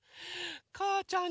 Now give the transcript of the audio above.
かーちゃん